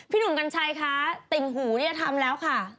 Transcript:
หนุ่มกัญชัยคะติ่งหูนี่จะทำแล้วค่ะ